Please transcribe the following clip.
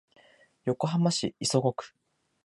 横浜市磯子区